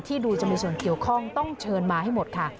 ดูจะมีส่วนเกี่ยวข้องต้องเชิญมาให้หมดค่ะ